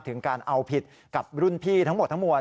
ถึงการเอาผิดกับรุ่นพี่ทั้งหมดทั้งมวล